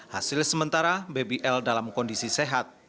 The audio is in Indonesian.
hasil sementara bbl dalam kondisi sehat